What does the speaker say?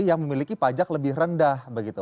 yang memiliki pajak lebih rendah begitu